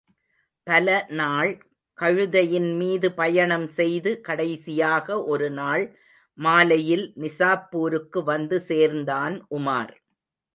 பலநாள் கழுதையின் மீது பயணம் செய்து கடைசியாக ஒருநாள் மாலையில் நிசாப்பூருக்கு வந்து சேர்ந்தான் உமார்.